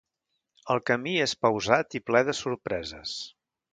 El camí és pausat i ple de sorpreses.